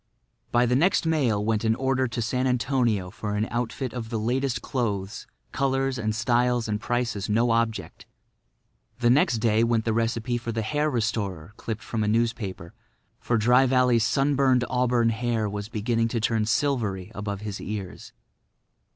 By the next mail went an order to San Antonio for an outfit of the latest clothes, colours and styles and prices no object. The next day went the recipe for the hair restorer clipped from a newspaper; for Dry Valley's sunburned auburn hair was beginning to turn silvery above his ears.